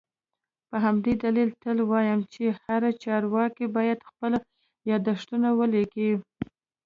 په همدې دلیل تل وایم چي هر چارواکی باید خپل یادښتونه ولیکي